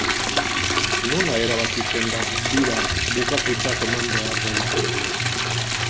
Nola erabakitzen da bira bukatutzat eman behar dela?